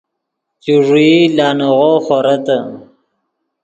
چوݱیئی لانیغو خورتّے